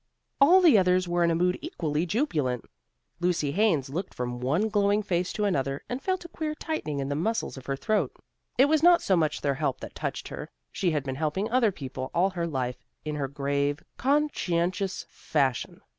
All the others were in a mood equally jubilant. Lucy Haines looked from one glowing face to another, and felt a queer tightening in the muscles of her throat. It was not so much their help that touched her. She had been helping other people all her life, in her grave, conscientious fashion.